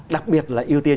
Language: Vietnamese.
đặc biệt là ưu tiên